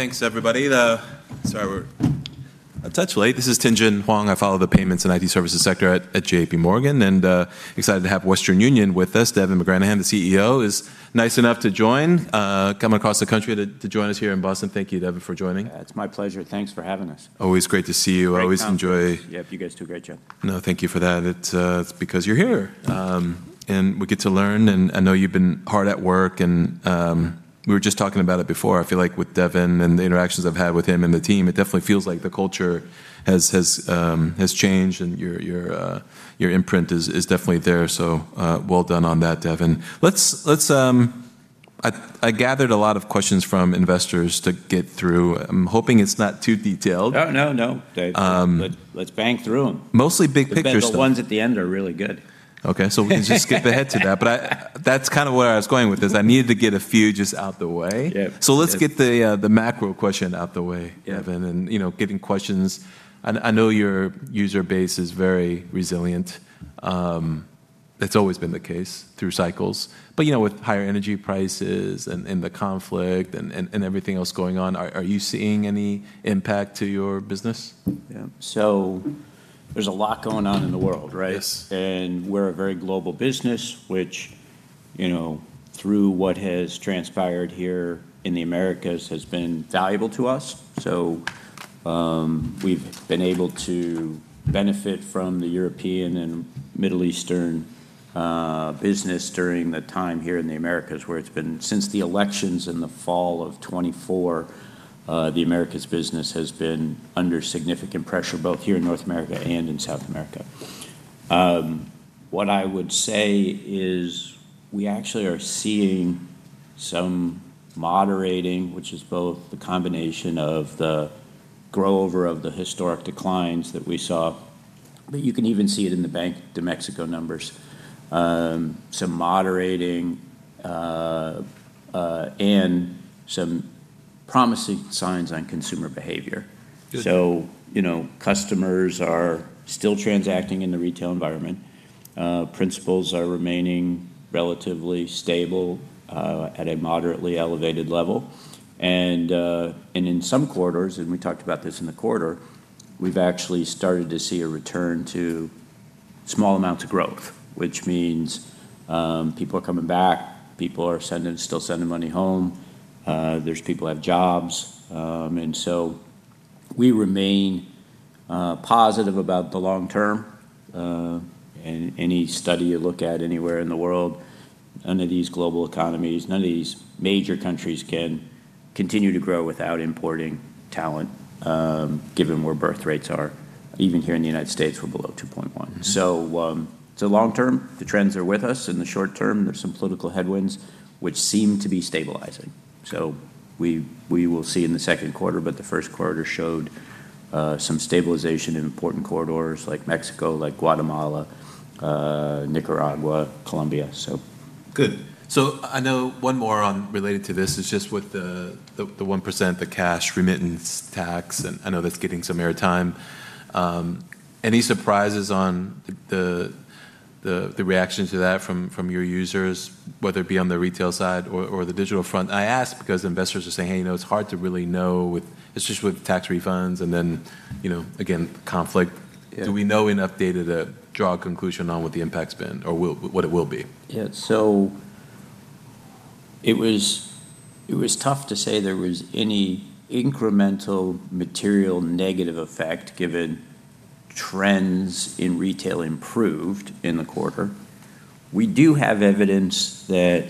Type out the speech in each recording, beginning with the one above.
Thanks everybody. Sorry we're a touch late. This is Tien-Tsin Huang. I follow the payments and IT services sector at JPMorgan, and excited to have Western Union with us. Devin McGranahan, the CEO, is nice enough to join, coming across the country to join us here in Boston. Thank you, Devin, for joining. Yeah, it's my pleasure. Thanks for having us. Always great to see you. Great company. Yeah, you guys do a great job. No, thank you for that. It's because you're here. We get to learn, and I know you've been hard at work and we were just talking about it before. I feel like with Devin and the interactions I've had with him and the team, it definitely feels like the culture has changed and your imprint is definitely there. Well done on that, Devin. I gathered a lot of questions from investors to get through. I'm hoping it's not too detailed. Oh, no. Um- Let's bang through them. Mostly big picture stuff. The ones at the end are really good. Okay. We can just skip ahead to that. That's kind of where I was going with this. I needed to get a few just out the way. Yeah. Let's get the macro question out the way. Yeah. Devin. Getting questions, I know your user base is very resilient. It's always been the case through cycles, but with higher energy prices and the conflict and everything else going on, are you seeing any impact to your business? Yeah. There's a lot going on in the world, right? Yes. We're a very global business, which through what has transpired here in the Americas, has been valuable to us. We've been able to benefit from the European and Middle Eastern business during the time here in the Americas. Since the elections in the fall of 2024, the Americas business has been under significant pressure, both here in North America and in South America. What I would say is we actually are seeing some moderating, which is both the combination of the grow over of the historic declines that we saw. You can even see it in the Banco de México numbers, some moderating, and some promising signs on consumer behavior. Good. Customers are still transacting in the retail environment. Principales are remaining relatively stable, at a moderately elevated level. In some quarters, and we talked about this in the quarter, we've actually started to see a return to small amounts of growth. Which means, people are coming back, people are still sending money home, there's people who have jobs. We remain positive about the long term. Any study you look at anywhere in the world, none of these global economies, none of these major countries can continue to grow without importing talent, given where birthrates are. Even here in the U.S., we're below 2.1. Long term, the trends are with us. In the short term, there's some political headwinds which seem to be stabilizing. We will see in the second quarter, but the first quarter showed some stabilization in important corridors like Mexico, like Guatemala, Nicaragua, Colombia. Good. I know one more related to this, is just with the 1%, the cash remittance tax, and I know that's getting some air time. Any surprises on the reaction to that from your users, whether it be on the retail side or the digital front? I ask because investors are saying, "Hey, it's hard to really know with tax refunds." Again, conflict. Yeah. Do we know enough data to draw a conclusion on what the impact's been or what it will be? Yeah. It was tough to say there was any incremental material negative effect, given trends in retail improved in the quarter. We do have evidence that.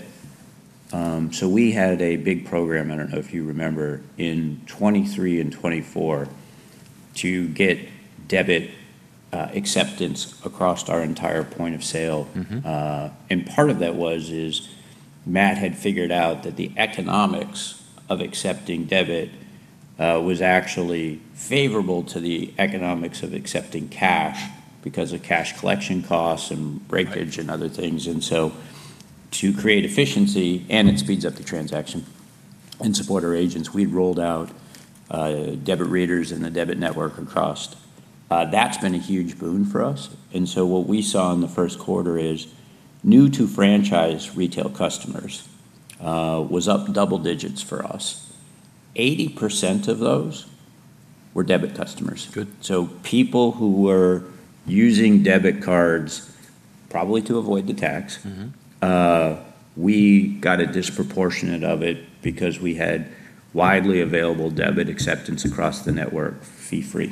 We had a big program, I don't know if you remember, in 2023 and 2024 to get debit acceptance across our entire point of sale. Part of that was, is Matt had figured out that the economics of accepting debit was actually favorable to the economics of accepting cash because of cash collection costs and breakage. Right. Other things. To create efficiency, and it speeds up the transaction and support our agents, we rolled out debit readers in the debit network across. That's been a huge boon for us. What we saw in the first quarter is new-to-franchise retail customers was up double digits for us. 80% of those were debit customers. Good. People who were using debit cards probably to avoid the tax. We got a disproportionate of it because we had widely available debit acceptance across the network fee-free.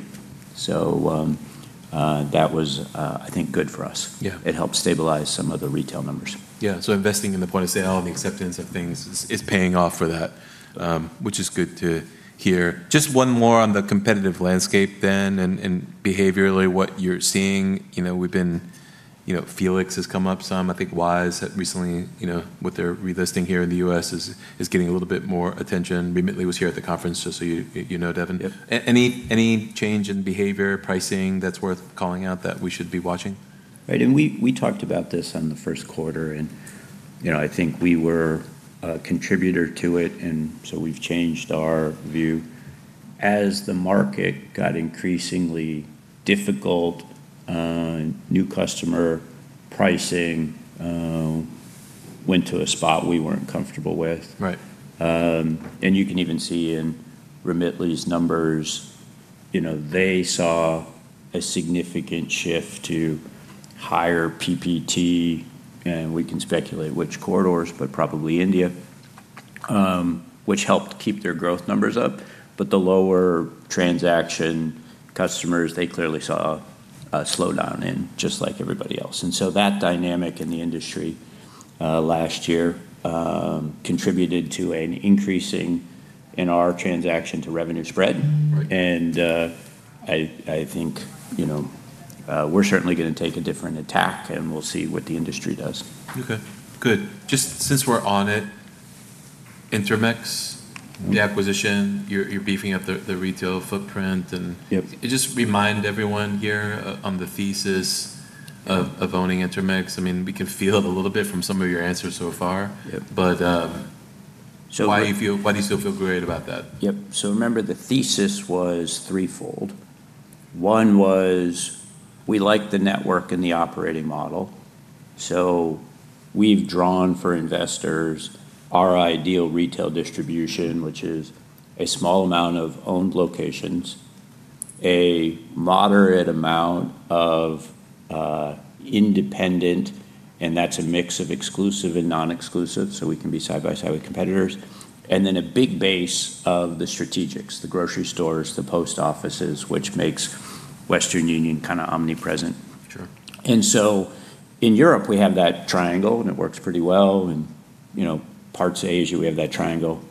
That was, I think, good for us. Yeah. It helped stabilize some of the retail numbers. Investing in the point of sale and the acceptance of things is paying off for that, which is good to hear. Just one more on the competitive landscape then, and behaviorally what you're seeing. Félix has come up some, I think Wise recently with their relisting here in the U.S. is getting a little bit more attention. Remitly was here at the conference, just so you know, Devin. Yep. Any change in behavior, pricing that's worth calling out that we should be watching? Right. We talked about this on the first quarter, I think we were a contributor to it, We've changed our view. As the market got increasingly difficult, new customer pricing, went to a spot we weren't comfortable with. Right. You can even see in Remitly's numbers, they saw a significant shift to higher PPT, and we can speculate which corridors, but probably India, which helped keep their growth numbers up. The lower transaction customers, they clearly saw a slowdown in just like everybody else. That dynamic in the industry last year contributed to an increasing in our transaction to revenue spread. Right. I think we're certainly going to take a different attack, and we'll see what the industry does. Okay, good. Just since we're on it, Intermex, the acquisition, you're beefing up the retail footprint. Yep. Just remind everyone here on the thesis of owning Intermex. We can feel it a little bit from some of your answers so far. Yep. Why do you still feel great about that? Yep. Remember, the thesis was threefold. One was we like the network and the operating model. We've drawn for investors our ideal retail distribution, which is a small amount of owned locations, a moderate amount of independent, and that's a mix of exclusive and non-exclusive, so we can be side by side with competitors. Then a big base of the strategics, the grocery stores, the post offices, which makes Western Union kind of omnipresent. Sure. In Europe, we have that triangle, and it works pretty well. In parts of Asia, we have that triangle.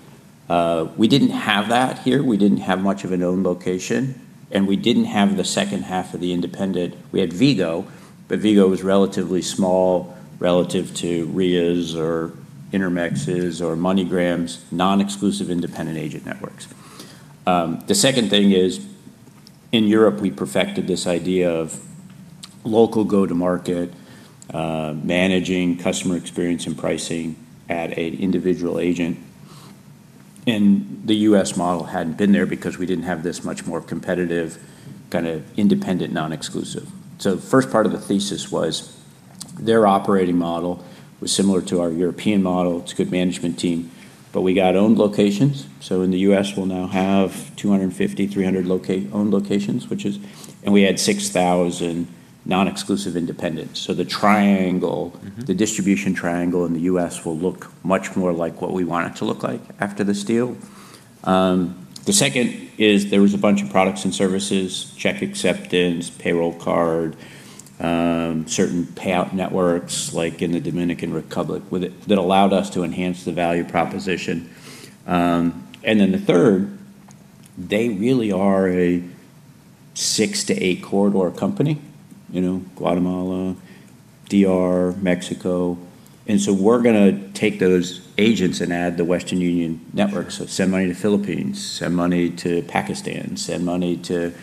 We didn't have that here. We didn't have much of an owned location, and we didn't have the second half of the independent. We had Vigo, but Vigo was relatively small relative to Ria's or Intermex's or MoneyGram's non-exclusive independent agent networks. The second thing is, in Europe, we perfected this idea of local go-to-market, managing customer experience and pricing at an individual agent. The U.S. model hadn't been there because we didn't have this much more competitive kind of independent non-exclusive. The first part of the thesis was their operating model was similar to our European model. It's a good management team, but we got owned locations. In the U.S., we'll now have 250, 300 owned locations, and we add 6,000 non-exclusive independents. The triangle. The distribution triangle in the U.S. will look much more like what we want it to look like after this deal. The second is there was a bunch of products and services, check acceptance, payroll card, certain payout networks, like in the Dominican Republic, that allowed us to enhance the value proposition. The third, they really are a six to eight corridor company, Guatemala, D.R., Mexico, and so we're going to take those agents and add the Western Union network. Send money to Philippines, send money to Pakistan, send money to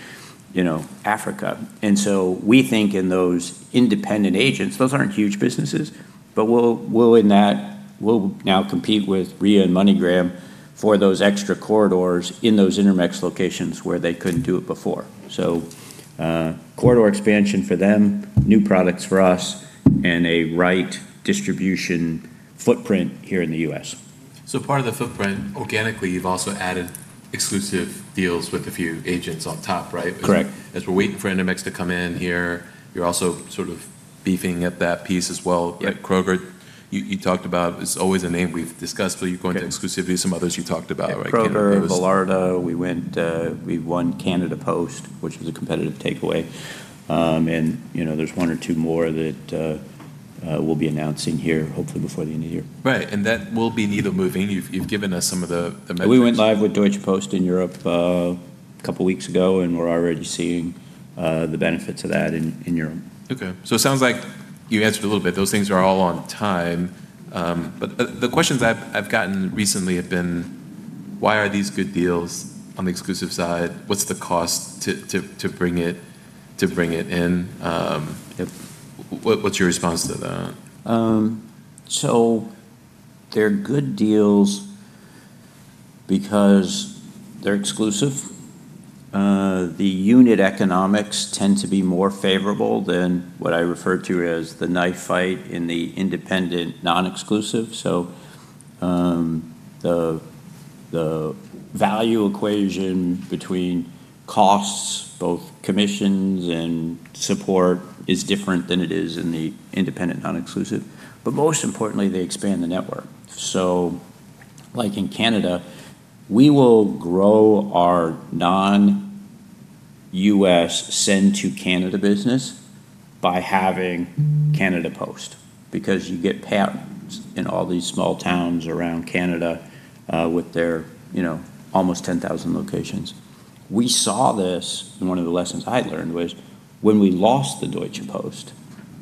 Africa. We think in those independent agents, those aren't huge businesses, but we'll now compete with Ria and MoneyGram for those extra corridors in those Intermex locations where they couldn't do it before. Corridor expansion for them, new products for us, and a right distribution footprint here in the U.S. Part of the footprint, organically, you've also added exclusive deals with a few agents on top, right? Correct. As we're waiting for Intermex to come in here, you're also sort of beefing up that piece as well. Right. Kroger, you talked about, it's always a name we've discussed, but you're going to exclusivity, some others you talked about, right? Kroger, Vallarta, we won Canada Post, which was a competitive takeaway. There's one or two more that we'll be announcing here, hopefully before the end of the year. Right. That will be needle-moving. You've given us some of the metrics. We went live with Deutsche Post in Europe a couple of weeks ago. We're already seeing the benefits of that in Europe. It sounds like you answered a little bit. Those things are all on time. The questions I've gotten recently have been, why are these good deals on the exclusive side? What's the cost to bring it in? Yep. What's your response to that? They're good deals because they're exclusive. The unit economics tend to be more favorable than what I refer to as the knife fight in the independent non-exclusive. The value equation between costs, both commissions and support, is different than it is in the independent non-exclusive. Most importantly, they expand the network. Like in Canada, we will grow our non-U.S. send to Canada business by having Canada Post, because you get patterns in all these small towns around Canada with their almost 10,000 locations. We saw this, and one of the lessons I learned was when we lost the Deutsche Post,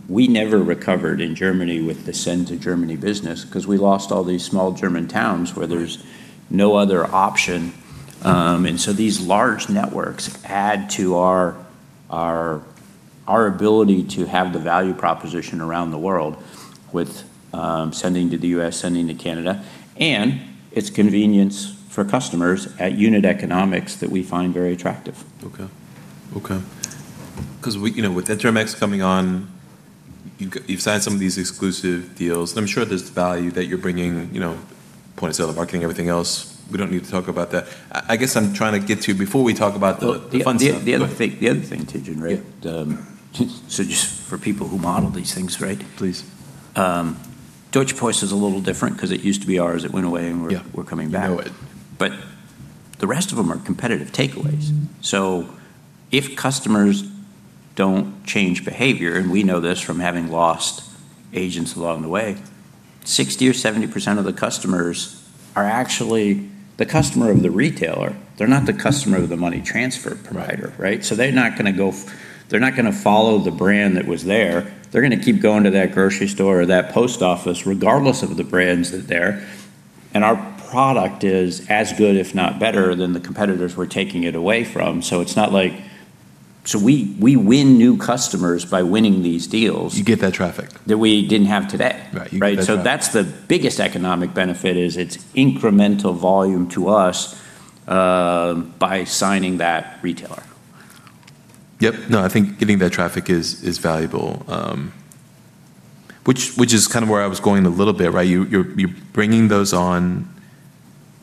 we never recovered in Germany with the send to Germany business because we lost all these small German towns where there's no other option. These large networks add to our ability to have the value proposition around the world with sending to the U.S., sending to Canada, and it's convenience for customers at unit economics that we find very attractive. Okay. With Intermex coming on, you've signed some of these exclusive deals, and I'm sure there's value that you're bringing, point of sale, the marketing, everything else. We don't need to talk about that. I guess I'm trying to get to, before we talk about the fun stuff. The other thing, Tien-Tsin, right? Yeah. Just for people who model these things, right? Please. Deutsche Post is a little different because it used to be ours, it went away. Yeah. Coming back. We know it. The rest of them are competitive takeaways. If customers don't change behavior, and we know this from having lost agents along the way, 60% or 70% of the customers are actually the customer of the retailer. They're not the customer of the money transfer provider, right? They're not going to follow the brand that was there. They're going to keep going to that grocery store or that post office regardless of the brands that are there. Our product is as good, if not better, than the competitors we're taking it away from. We win new customers by winning these deals. You get that traffic. That we didn't have today. Right. You get that traffic. That's the biggest economic benefit, is it's incremental volume to us by signing that retailer. Yep. No, I think getting that traffic is valuable, which is kind of where I was going a little bit, right? You're bringing those on.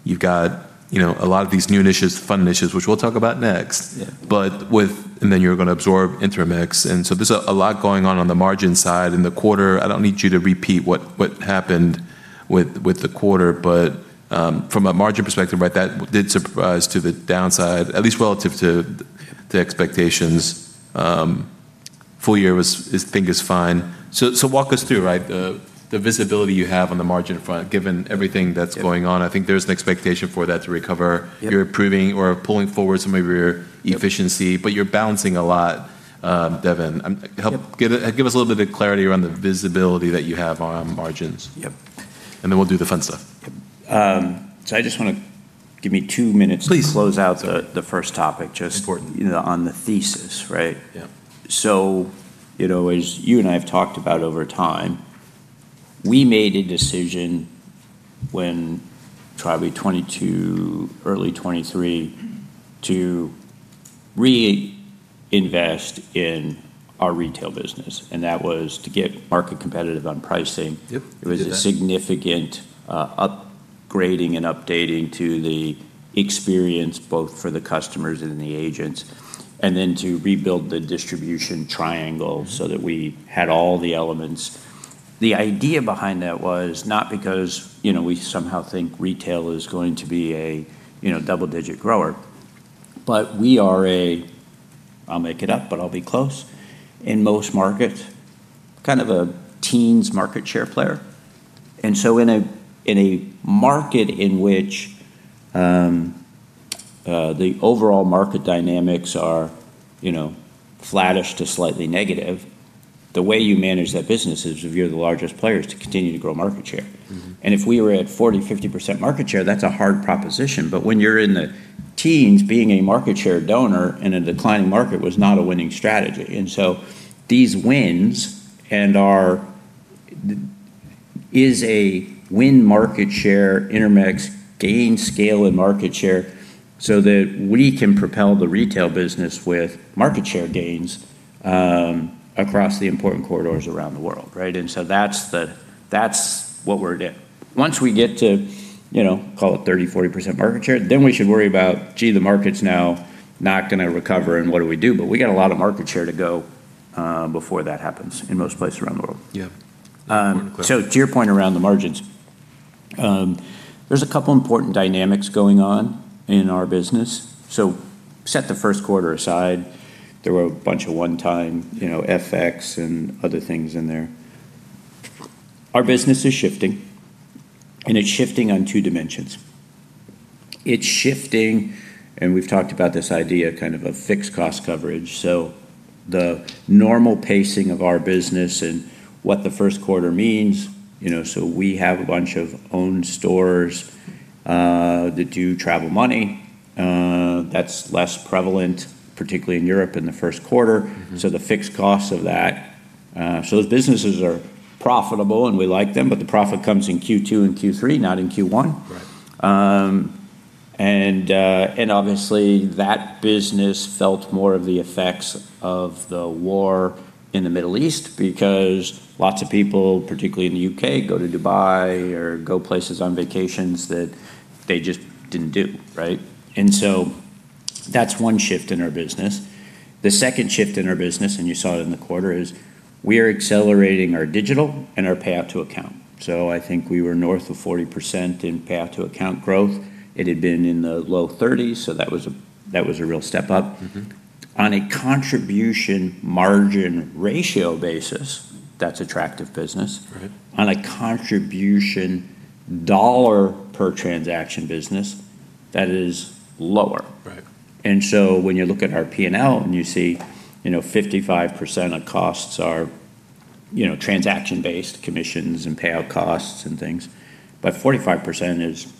You've got a lot of these new initiatives, fun initiatives, which we'll talk about next. Yeah. You're going to absorb Intermex, there's a lot going on on the margin side. The quarter, I don't need you to repeat what happened with the quarter. From a margin perspective, that did surprise to the downside, at least relative to the expectations. Full year I think is fine. Walk us through the visibility you have on the margin front, given everything that's going on. I think there's an expectation for that to recover. Yep. You're approving or pulling forward some of your efficiency- Yep. You're balancing a lot, Devin. Yep. Give us a little bit of clarity around the visibility that you have on margins. Yep. Then we'll do the fun stuff. I just want to give me two minutes. Please. To close out the first topic. Important. On the thesis, right? Yeah. As you and I have talked about over time, we made a decision when probably 2022, early 2023, to reinvest in our retail business, and that was to get market competitive on pricing. Yep. We did that. It was a significant upgrading and updating to the experience, both for the customers and the agents, to rebuild the distribution triangle so that we had all the elements. The idea behind that was not because we somehow think retail is going to be a double-digit grower. We are a, I'll make it up, but I'll be close, in most markets, kind of a teens market share player. In a market in which the overall market dynamics are flattish to slightly negative, the way you manage that business is if you're the largest player, is to continue to grow market share. If we were at 40%, 50% market share, that's a hard proposition. When you're in the teens, being a market share donor in a declining market was not a winning strategy. These wins, and is a win market share, Intermex gain scale and market share so that we can propel the retail business with market share gains across the important corridors around the world, right? That's what we're doing. Once we get to, call it 30%, 40% market share, then we should worry about, gee, the market's now not going to recover, and what do we do? We got a lot of market share to go before that happens in most places around the world. Yeah. Important clarity. To your point around the margins, there's a couple important dynamics going on in our business. Set the first quarter aside. There were a bunch of one-time FX and other things in there. Our business is shifting, and it's shifting on two dimensions. It's shifting, and we've talked about this idea of fixed cost coverage. The normal pacing of our business and what the first quarter means, so we have a bunch of owned stores that do Travel Money. That's less prevalent, particularly in Europe, in the first quarter. The fixed costs of that. Those businesses are profitable, and we like them, but the profit comes in Q2 and Q3, not in Q1. Right. Obviously that business felt more of the effects of the war in the Middle East because lots of people, particularly in the U.K., go to Dubai or go places on vacations that they just didn't do, right? That's one shift in our business. The second shift in our business, and you saw it in the quarter, is we are accelerating our digital and our pay out to account. I think we were north of 40% in pay out to account growth. It had been in the low 30s, so that was a real step up. On a contribution margin ratio basis, that's attractive business. Right. On a contribution dollar per transaction business, that is lower. Right. When you look at our P&L and you see 55% of costs are transaction based, commissions and payout costs and things. 45% is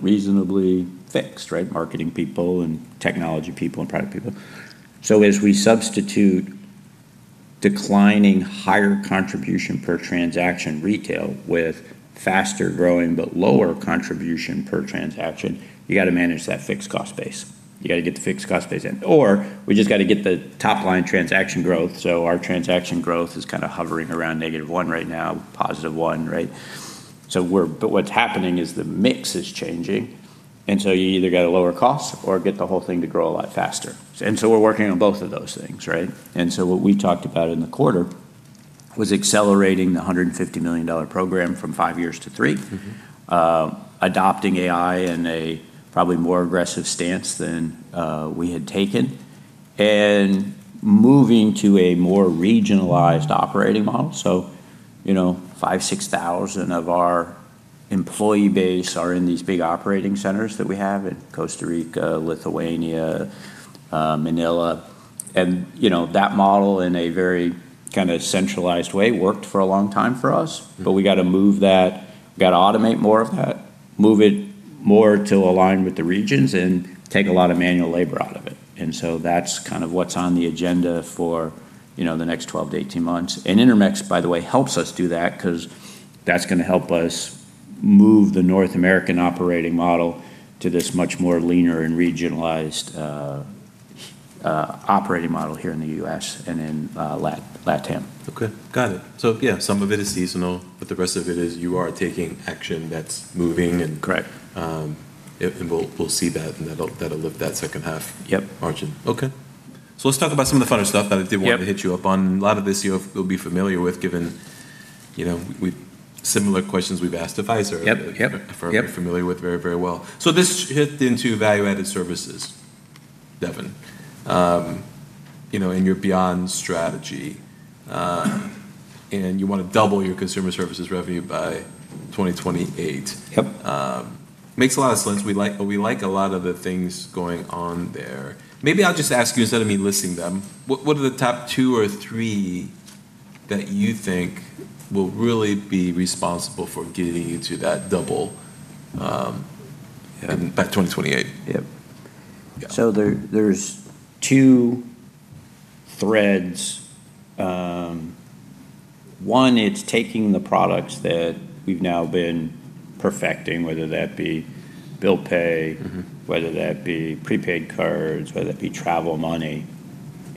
reasonably fixed, right? Marketing people, and technology people, and product people. As we substitute declining higher contribution per transaction retail with faster growing but lower contribution per transaction, you got to manage that fixed cost base. You got to get the fixed cost base in. We just got to get the top-line transaction growth, so our transaction growth is kind of hovering around -1 right now, +1. What's happening is the mix is changing. You either got to lower costs or get the whole thing to grow a lot faster. We're working on both of those things. What we talked about in the quarter was accelerating the $150 million program from five years to three. Adopting AI in a probably more aggressive stance than we had taken, moving to a more regionalized operating model. 5,000, 6,000 of our employee base are in these big operating centers that we have in Costa Rica, Lithuania, Manila. That model in a very kind of centralized way worked for a long time for us, we got to move that, got to automate more of that, move it more to align with the regions, and take a lot of manual labor out of it. That's kind of what's on the agenda for the next 12-18 months. Intermex, by the way, helps us do that because that's going to help us move the North American operating model to this much more leaner and regionalized operating model here in the U.S. and in LATAM. Okay. Got it. Yeah, some of it is seasonal, but the rest of it is you are taking action that's moving and. Correct. We'll see that and that'll lift that second half. Yep. Margin. Okay. let's talk about some of the funner stuff that I did want to hit you up on. A lot of this you'll be familiar with given similar questions we've asked Fiserv. Yep. Familiar with very well. This hit into value-added services, Devin, in your Beyond strategy. You want to double your Consumer Services revenue by 2028. Yep. Makes a lot of sense. We like a lot of the things going on there. Maybe I'll just ask you, instead of me listing them, what are the top two or three that you think will really be responsible for getting you to that double by 2028? Yep. Yeah. There's ttwo threads. One, it's taking the products that we've now been perfecting, whether that be bill pay whether that be prepaid cards, whether that be Travel Money,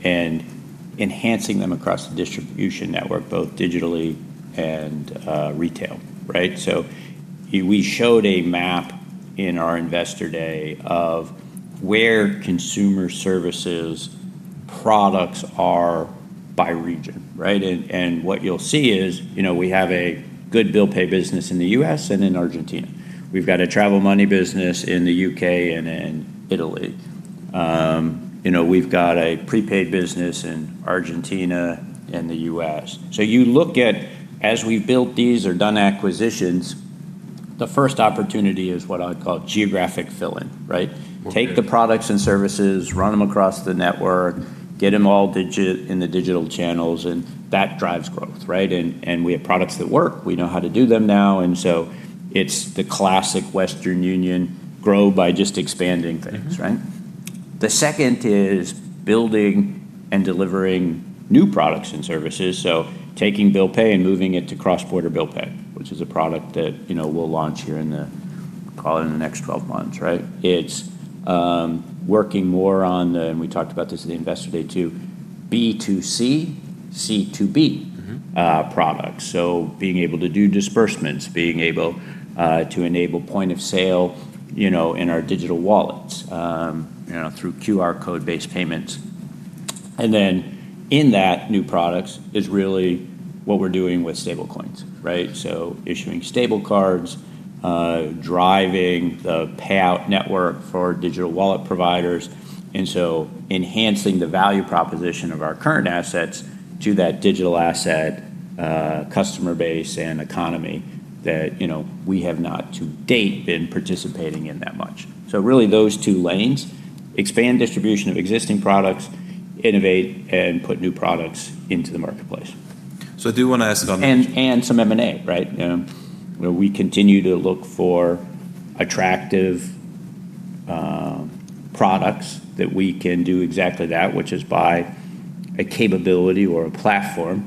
Enhancing them across the distribution network, both digitally and retail. We showed a map in our investor day of where Consumer Services products are by region. What you'll see is we have a good bill pay business in the U.S. and in Argentina. We've got a Travel Money business in the U.K. and in Italy. We've got a prepaid business in Argentina and the U.S. You look at, as we've built these or done acquisitions, the first opportunity is what I would call geographic fill-in. Okay. Take the products and services, run them across the network, get them all in the digital channels, and that drives growth. We have products that work. We know how to do them now, and so it's the classic Western Union grow by just expanding things. The second is building and delivering new products and services. Taking bill pay and moving it to cross-border bill pay, which is a product that we'll launch here in the, call it in the next 12 months. It's working more on the, we talked about this at the investor day, too, B2C, C2B products. Being able to do disbursements, being able to enable point of sale in our digital wallets through QR code-based payments. In that, new products is really what we're doing with stablecoins. Issuing Stable Cards, driving the payout network for digital wallet providers, and so enhancing the value proposition of our current assets to that digital asset customer base and economy that we have not to date been participating in that much. Really those two lanes, expand distribution of existing products, innovate, and put new products into the marketplace. I do want to ask about. Some M&A. Yeah. Where we continue to look for attractive products that we can do exactly that, which is buy a capability or a platform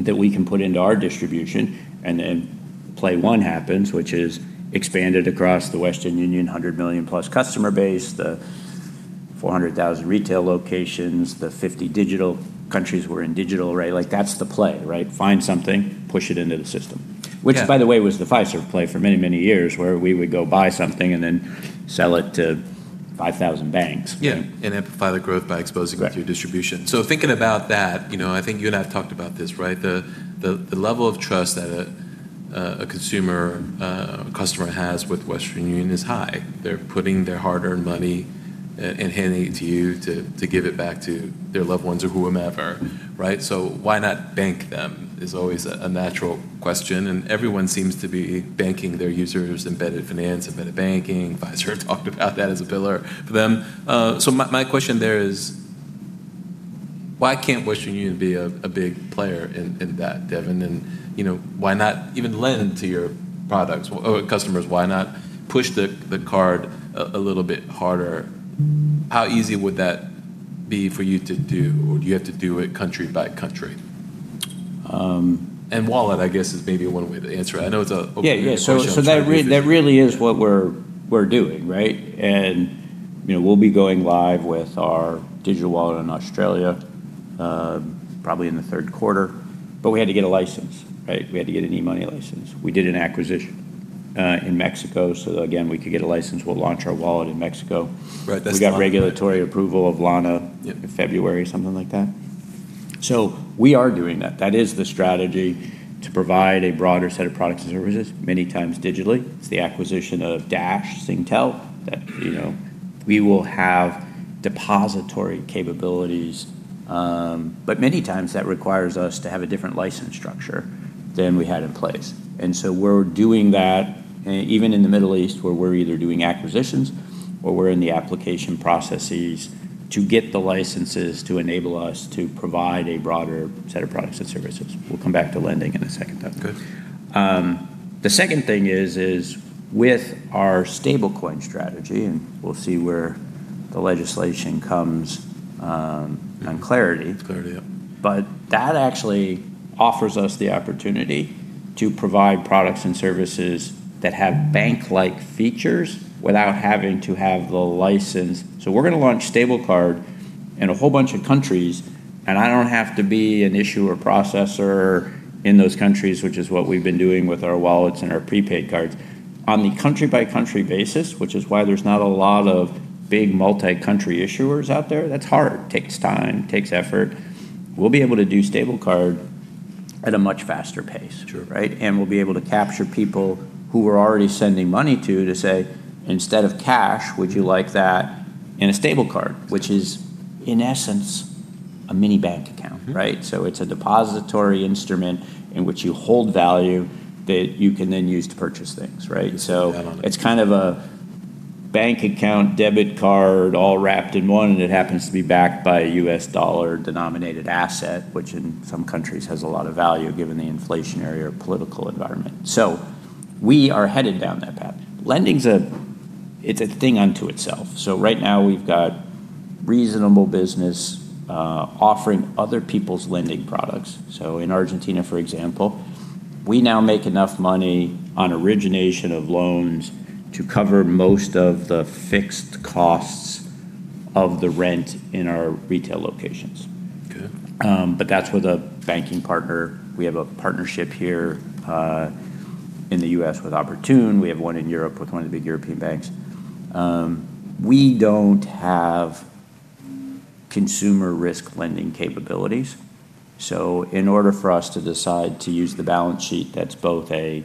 that we can put into our distribution and then play one happens, which is expanded across the Western Union +100 million customer base, the 400,000 retail locations, the 50 digital countries we're in digital. That's the play. Find something, push it into the system. Yeah. Which by the way, was the Fiserv play for many years, where we would go buy something and then sell it to 5,000 banks. Yeah. Amplify the growth by exposing it through distribution. Correct. Thinking about that, I think you and I have talked about this. The level of trust that a consumer, a customer has with Western Union is high. They're putting their hard-earned money and handing it to you to give it back to their loved ones or whomever. Why not bank them is always a natural question, and everyone seems to be banking their users, embedded finance, embedded banking. Fiserv talked about that as a pillar for them. My question there is why can't Western Union be a big player in that, Devin, and why not even lend to your customers? Why not push the card a little bit harder? How easy would that be for you to do? Do you have to do it country by country? Wallet, I guess, is maybe one way to answer it. I know it's an open-ended question. Yeah. That really is what we're doing, right? We'll be going live with our digital wallet in Australia, probably in the third quarter. We had to get a license. We had to get an e-money license. We did an acquisition in Mexico, again, we could get a license. We'll launch our wallet in Mexico. Right. We got regulatory approval of Lana. Yep. In February, something like that. We are doing that. That is the strategy to provide a broader set of products and services, many times digitally. It's the acquisition of Dash Singtel that we will have depository capabilities. Many times, that requires us to have a different license structure than we had in place. We're doing that even in the Middle East, where we're either doing acquisitions or we're in the application processes to get the licenses to enable us to provide a broader set of products and services. We'll come back to lending in a second. Good. The second thing is with our stablecoin strategy. We'll see where the legislation comes on clarity. On clarity, yep. That actually offers us the opportunity to provide products and services that have bank-like features without having to have the license. We're going to launch Stable Card in a whole bunch of countries, and I don't have to be an issuer or processor in those countries, which is what we've been doing with our wallets and our prepaid cards. On the country-by-country basis, which is why there's not a lot of big multi-country issuers out there, that's hard. Takes time, takes effort. We'll be able to do Stable Card at a much faster pace. Sure. Right? We'll be able to capture people who we're already sending money to say, "Instead of cash, would you like that in a Stable Card?" Which is, in essence, a mini bank account, right? It's a depository instrument in which you hold value that you can then use to purchase things, right? You can spend on it. It's kind of a bank account, debit card all wrapped in one, and it happens to be backed by a U.S. dollar-denominated asset, which in some countries has a lot of value given the inflationary or political environment. We are headed down that path. Lending, it's a thing unto itself. Right now we've got reasonable business offering other people's lending products. In Argentina, for example, we now make enough money on origination of loans to cover most of the fixed costs of the rent in our retail locations. Good. That's with a banking partner. We have a partnership here in the U.S. with Oportun. We have one in Europe with one of the big European banks. We don't have consumer risk lending capabilities, so in order for us to decide to use the balance sheet, that's both a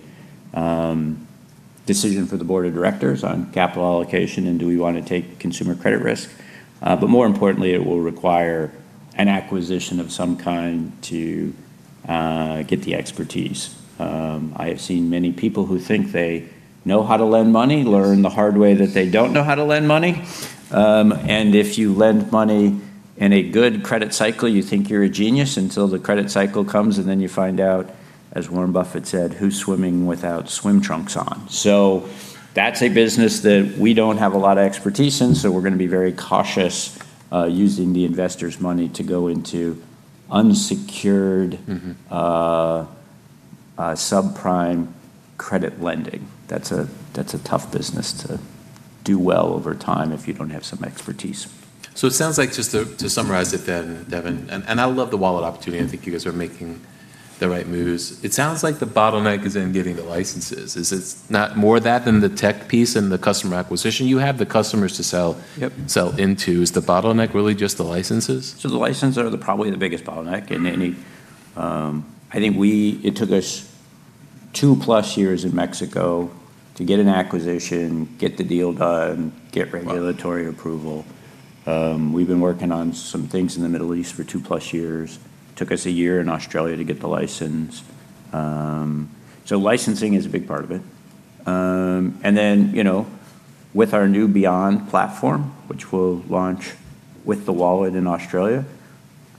decision for the board of directors on capital allocation and do we want to take consumer credit risk? More importantly, it will require an acquisition of some kind to get the expertise. I have seen many people who think they know how to lend money learn the hard way that they don't know how to lend money. If you lend money in a good credit cycle, you think you're a genius until the credit cycle comes and then you find out, as Warren Buffett said, "Who's swimming without swim trunks on?" That's a business that we don't have a lot of expertise in, so we're going to be very cautious using the investors' money to go into unsecured subprime credit lending. That's a tough business to do well over time if you don't have some expertise. It sounds like, just to summarize it then, Devin, I love the wallet opportunity. I think you guys are making the right moves. It sounds like the bottleneck is in getting the licenses. Is it not more that than the tech piece and the customer acquisition? You have the customers to sell- Yep. Into. Is the bottleneck really just the licenses? The licenses are probably the biggest bottleneck. It took us 2+ years in Mexico to get an acquisition, get the deal done, get regulatory approval. We've been working on some things in the Middle East for 2+ years. Took us a year in Australia to get the license. Licensing is a big part of it. With our new Beyond platform, which we'll launch with the wallet in Australia,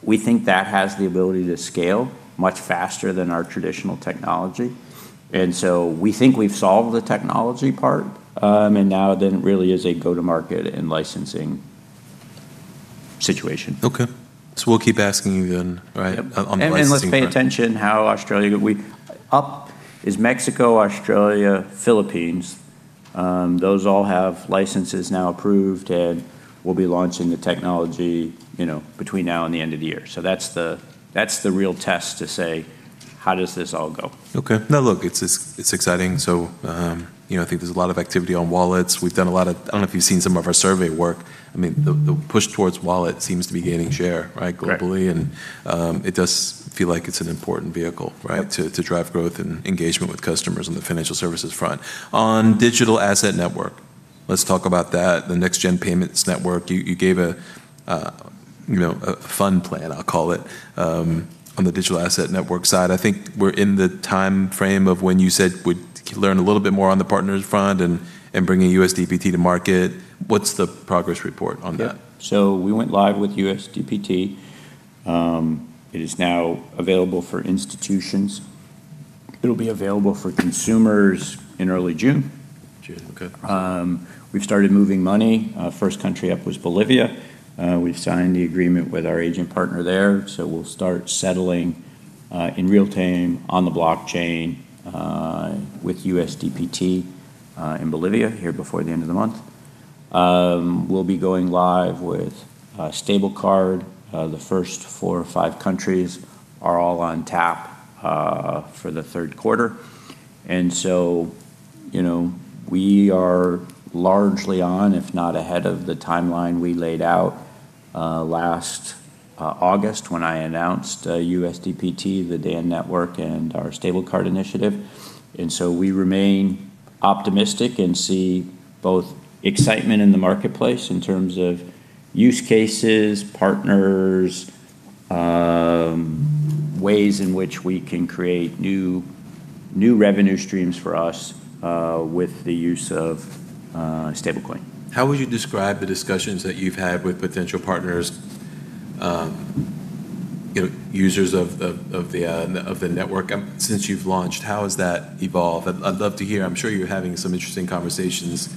we think that has the ability to scale much faster than our traditional technology. We think we've solved the technology part. It really is a go-to-market and licensing situation. Okay. We'll keep asking you then, right, on the licensing part. Let's pay attention how Australia. Up is Mexico, Australia, Philippines. Those all have licenses now approved, and we'll be launching the technology between now and the end of the year. That's the real test to say how does this all go? Okay. No, look, it's exciting. I think there's a lot of activity on wallets. I don't know if you've seen some of our survey work. The push towards wallet seems to be gaining share, right? Correct. Globally, it does feel like it's an important vehicle, right? Yep. To drive growth and engagement with customers on the financial services front. On digital asset network, let's talk about that, the next gen payments network. You gave a fun plan, I'll call it, on the digital asset network side. I think we're in the timeframe of when you said we'd learn a little bit more on the partners front and bringing USDPT to market. What's the progress report on that? Yeah. We went live with USDPT. It is now available for institutions. It'll be available for consumers in early June. June, okay. We've started moving money. First country up was Bolivia. We've signed the agreement with our agent partner there, so we'll start settling in real time on the blockchain with USDPT in Bolivia, here before the end of the month. We'll be going live with Stable Card. The first four or five countries are all on tap for the third quarter. We are largely on, if not ahead of the timeline we laid out last August when I announced USDPT, the DAN network, and our Stable Card initiative. We remain optimistic and see both excitement in the marketplace in terms of use cases, partners, ways in which we can create new revenue streams for us with the use of stablecoin. How would you describe the discussions that you've had with potential partners, users of the network? Since you've launched, how has that evolved? I'd love to hear. I'm sure you're having some interesting conversations,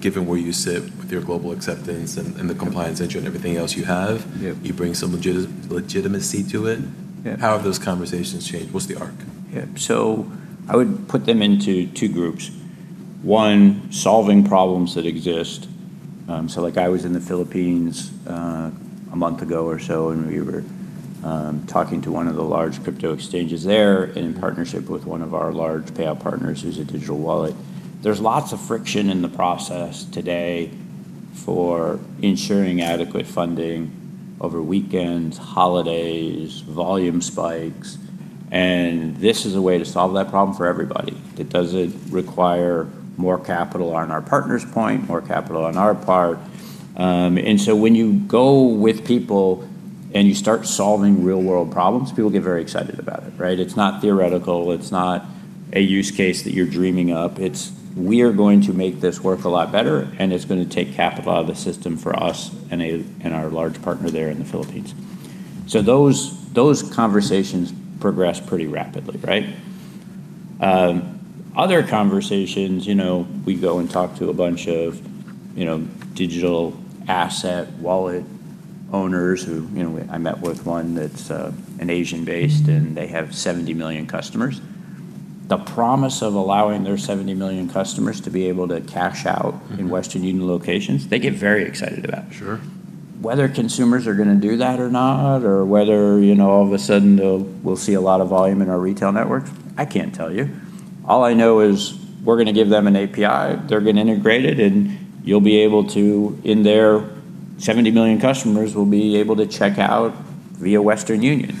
given where you sit with your global acceptance and the compliance engine and everything else you have. Yeah. You bring some legitimacy to it. Yeah. How have those conversations changed? What's the arc? Yeah. I would put them into two groups. One, solving problems that exist. I was in the Philippines a month ago or so, and we were talking to one of the large crypto exchanges there in partnership with one of our large payout partners, who's a digital wallet. There's lots of friction in the process today for ensuring adequate funding over weekends, holidays, volume spikes, and this is a way to solve that problem for everybody, that doesn't require more capital on our partner's point, more capital on our part. When you go with people and you start solving real-world problems, people get very excited about it, right? It's not theoretical. It's not a use case that you're dreaming up. We're going to make this work a lot better. It's going to take capital out of the system for us and our large partner there in the Philippines. Those conversations progress pretty rapidly. Other conversations, we go and talk to a bunch of digital asset wallet owners. I met with one that's Asian based. They have 70 million customers. The promise of allowing their 70 million customers to be able to cash out in Western Union locations, they get very excited about. Sure. Whether consumers are going to do that or not, or whether all of a sudden we'll see a lot of volume in our retail network, I can't tell you. All I know is we're going to give them an API. They're getting integrated, you'll be able to, in their 70 million customers, will be able to check out via Western Union.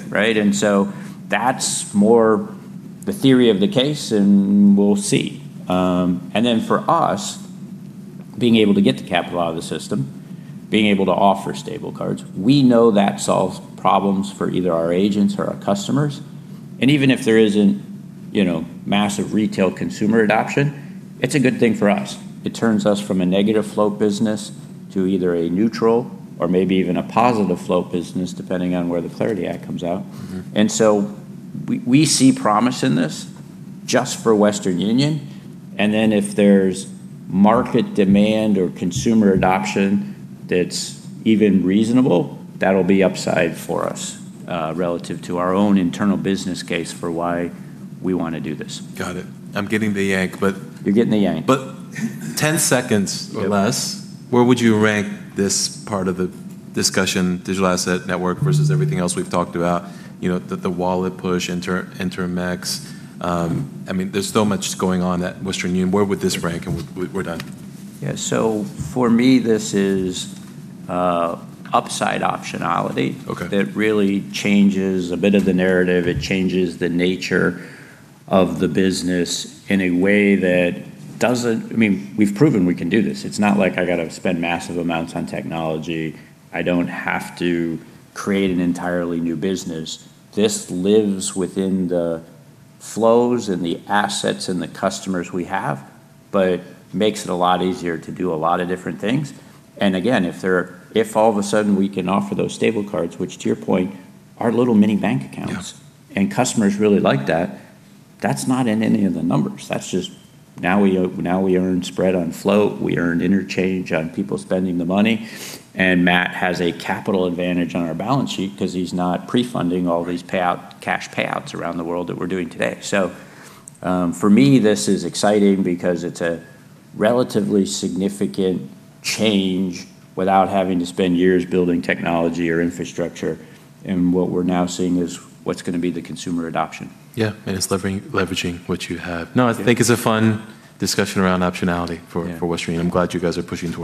That's more the theory of the case, and we'll see. For us, being able to get the capital out of the system, being able to offer Stable Cards, we know that solves problems for either our agents or our customers. Even if there isn't massive retail consumer adoption, it's a good thing for us. It turns us from a negative flow business to either a neutral or maybe even a positive flow business, depending on where the CLARITY Act comes out. We see promise in this just for Western Union, and then if there's market demand or consumer adoption that's even reasonable, that'll be upside for us relative to our own internal business case for why we want to do this. Got it. I'm getting the yank. You're getting the yank. 10 seconds or less, where would you rank this part of the discussion, digital asset network versus everything else we've talked about? The wallet push, Intermex. There's so much going on at Western Union. Where would this rank? We're done. Yeah. For me, this is upside optionality. Okay. It really changes a bit of the narrative. It changes the nature of the business in a way that doesn't. We've proven we can do this. It's not like I got to spend massive amounts on technology. I don't have to create an entirely new business. This lives within the flows and the assets and the customers we have, but makes it a lot easier to do a lot of different things. Again, if all of a sudden we can offer those Stable Cards, which, to your point, are little mini bank accounts. Yeah. Customers really like that. That's not in any of the numbers. That's just now we earn spread on flow, we earn interchange on people spending the money, and Matt has a capital advantage on our balance sheet because he's not pre-funding all these cash payouts around the world that we're doing today. For me, this is exciting because it's a relatively significant change without having to spend years building technology or infrastructure. What we're now seeing is what's going to be the consumer adoption. Yeah. It's leveraging what you have. No, I think it's a fun discussion around optionality for Western Union. Yeah. I'm glad you guys are pushing towards.